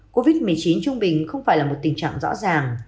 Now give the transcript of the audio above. covid một mươi chín trung bình không phải là một tình trạng rõ ràng